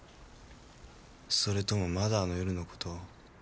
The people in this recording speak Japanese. それともまだあの夜の事を？